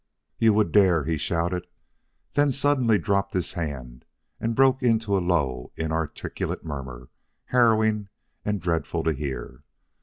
"You would dare," he shouted, then suddenly dropped his hand and broke into a low, inarticulate murmur, harrowing and dreadful to hear.